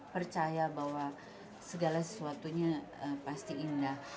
percaya bahwa segala sesuatunya pasti indah